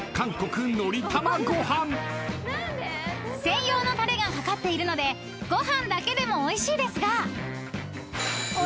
［専用のたれがかかっているのでご飯だけでもおいしいですが］